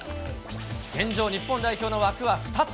現状、日本代表の枠は２つ。